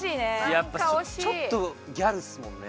やっぱちょっとギャルっすもんね。